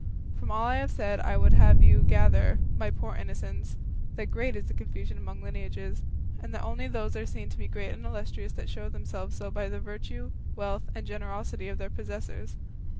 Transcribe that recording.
From all I have said I would have you gather, my poor innocents, that great is the confusion among lineages, and that only those are seen to be great and illustrious that show themselves so by the virtue, wealth, and generosity of their possessors.